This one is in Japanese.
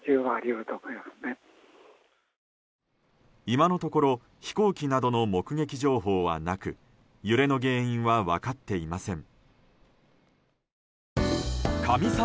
今のところ飛行機などの目撃情報はなく揺れの原因は分かっていません。